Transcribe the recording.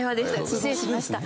失礼しました。